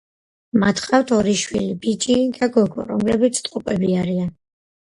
მათ ჰყავთ ორი შვილი, ბიჭი და გოგო, რომლებიც ტყუპები არიან.